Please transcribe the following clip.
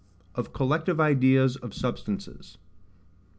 OF COLLECTIVE IDEAS OF SUBSTANCES.